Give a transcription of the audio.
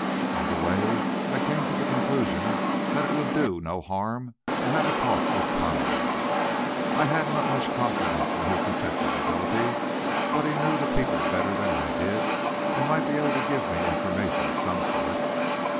On the way, I came to the conclusion that it would do no harm to have a talk with Parmalee. I had not much confidence in his detective ability, but he knew the people better than I did, and might be able to give me information of some sort.